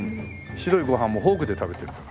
白いご飯もフォークで食べてるから。